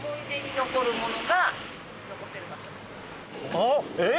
あっえっ！？